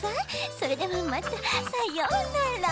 それではまたさようなら。